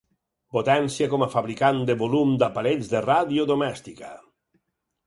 Potència com a fabricant de volum d'aparells de ràdio domèstica.